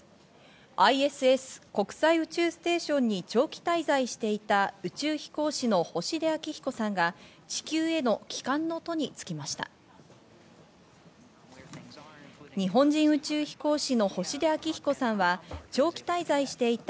ＩＳＳ＝国際宇宙ステーションに長期滞在していた宇宙飛行士の星出彰彦さんが地球への帰還の途に着きました。